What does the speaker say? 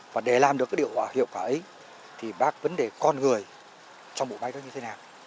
và để làm được điều hiệu quả ấy thì bác vấn đề con người trong bộ máy đó như thế nào